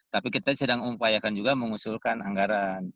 tapi kita sedang upayakan juga mengusulkan anggaran